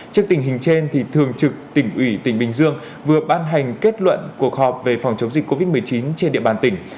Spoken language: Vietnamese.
trước tình hình trên thường trực tỉnh ủy tỉnh bình dương vừa ban hành kết luận cuộc họp về phòng chống dịch covid một mươi chín trên địa bàn tỉnh